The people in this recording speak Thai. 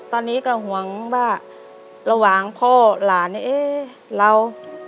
ตอนนี้ก็ห่วงว่าระหว่างพ่อหลานเรา